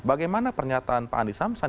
bagaimana pernyataan pak andi samsan